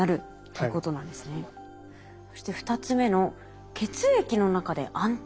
そして２つ目の「血液の中で安定」。